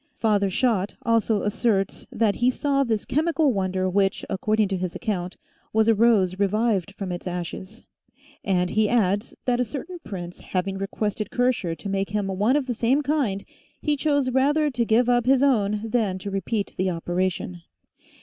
Father Schott also asserts that he saw this chemical wonder which, according to his ac count, was a rose revived from its ashes. And he adds that a certain prince having requested Kircher to make him one of the same kind, he chose rather to give up his own than to repeat the operation.